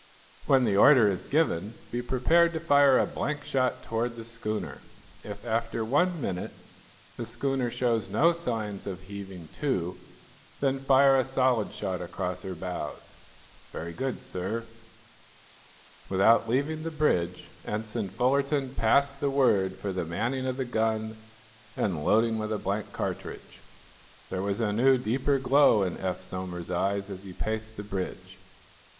When the order is given, be prepared to fire a blank shot toward the schooner. If, after one minute, the schooner shows no signs of heaving to, then fire a solid shot across her bows." "Very good, sir." Without leaving the bridge Ensign Fullerton passed the word for the manning of the gun and loading with a blank cartridge. There was a new, deeper glow in Eph Somers's eyes as he paced the bridge.